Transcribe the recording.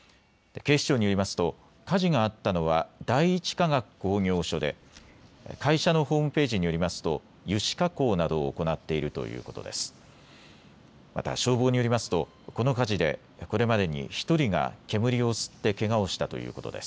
警視庁によりますと火事があったのは第一化学工業所で会社のホームページによりますと油脂加工などを行っているということです。